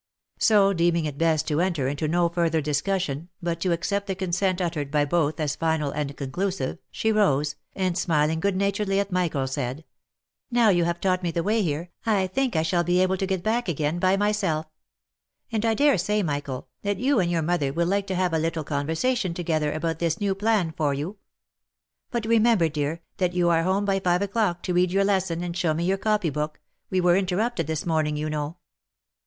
So deeming it best to enter into no further discussion, but to accept the consent uttered by both as final and conclusive, she rose, and smiling good humouredly at Michael said, " Now you have taught me the way here, I think I shall be able to get back again by myself; and I dare say Michael, that you and your mother will like to have a little conversation together about this new plan for you. But remember, dear, that you are home by five o'clock to read your lesson and show me your copy book, we were interrupted this morning you know."